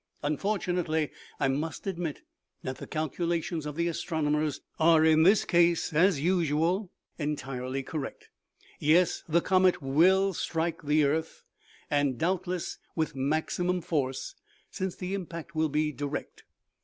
" Unfortunately, I must admit that the calculations of the astronomers are in this case, as usual, entirely correct. Yes, the comet will strike the earth, and, doubtless, with maximum force, since the impact will be direct.